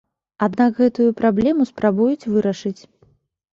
Аднак гэтую праблему спрабуюць вырашыць.